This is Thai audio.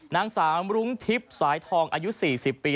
นางสาวรุ้งทิพย์สายทองอายุ๔๐ปี